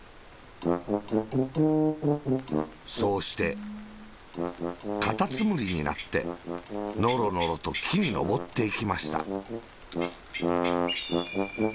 そうして、カタツムリになって、ノロノロときにのぼっていきました。